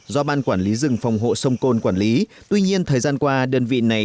do ban quản lý rừng phòng hộ sông côn quản lý tuy nhiên thời gian qua đơn vị này